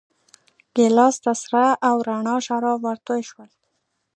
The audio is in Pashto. ګیلاس ته سره او راڼه شراب ورتوی شول.